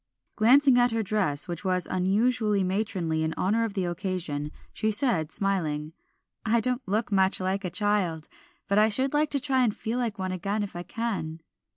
Glancing at her dress, which was unusually matronly in honor of the occasion, she said smiling "I don't look much like a child, but I should like to try and feel like one again if I can."